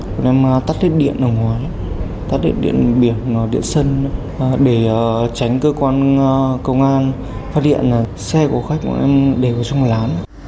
còn em tắt hết điện ở ngoài tắt hết điện biển điện sân để tránh cơ quan công an phát hiện xe của khách để vào trong lán